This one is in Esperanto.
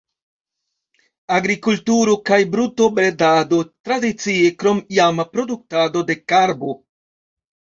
Agrikulturo kaj brutobredado tradicie, krom iama produktado de karbo.